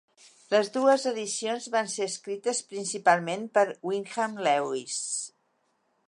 Les dues edicions van ser escrites principalment per Wyndham Lewis.